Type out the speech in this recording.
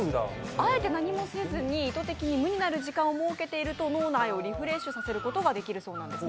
あえて何もせずに意図的に無になる時間を設けていると脳内をリフレッシュさせることができるそうなんです。